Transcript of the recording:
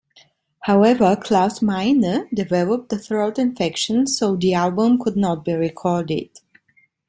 However, Klaus Meine developed a throat infection, so the album could not be recorded.